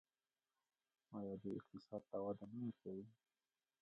آیا دوی اقتصاد ته وده نه ورکوي؟